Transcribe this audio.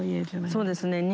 そうですね。